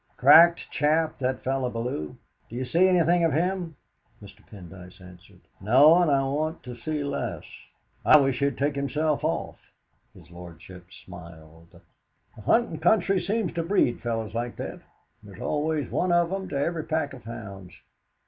"Cracked chap, that fellow Bellew. D'you see anything of him?" Mr. Pendyce answered: "No; and I want to see less. I wish he'd take himself off!" His lordship smiled. "A huntin' country seems to breed fellows like that; there's always one of 'em to every pack of hounds.